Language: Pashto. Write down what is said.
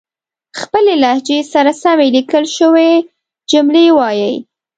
خپلې لهجې سره سمې ليکل شوې جملې وايئ